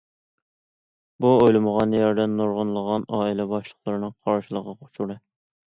بۇ ئويلىمىغان يەردىن نۇرغۇنلىغان ئائىلە باشلىقلىرىنىڭ قارشىلىقىغا ئۇچرىدى.